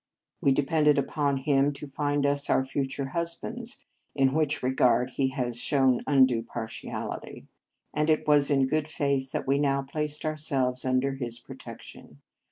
We depended upon him to find us our future husbands, in which regard he has shown undue partiality, and it was in good faith that we now placed ourselves under his protection.